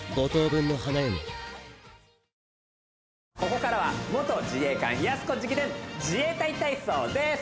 ここからは元自衛官やす子直伝自衛隊体操です